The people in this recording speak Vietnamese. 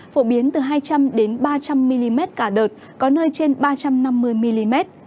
phổ biến từ hai trăm linh ba trăm linh mm cả đợt có nơi trên ba trăm năm mươi mm